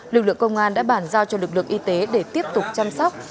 lực lượng công an đã bản giao cho lực lượng y tế để tiếp tục chăm sóc